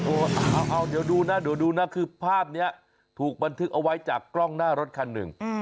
เอาเดี๋ยวดูนะเดี๋ยวดูนะคือภาพนี้ถูกบันทึกเอาไว้จากกล้องหน้ารถคันหนึ่ง